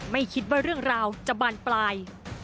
ไม่คิดว่าเรื่องราวจะบานปลาย